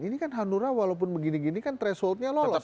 ini kan hanura walaupun begini gini kan thresholdnya lolos